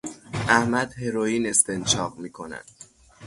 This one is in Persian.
احمد هروئین استنشاق میکند.